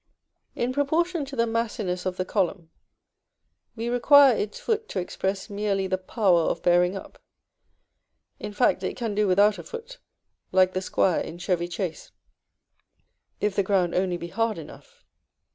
In proportion to the massiness of the column, we require its foot to express merely the power of bearing up; in fact, it can do without a foot, like the Squire in Chevy Chase, if the ground only be hard enough.